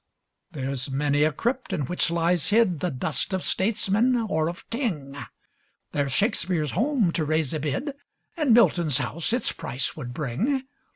There's many a crypt in which lies hid The dust of statesman or of king; There's Shakespeare's home to raise a bid, And Milton's house its price would bring.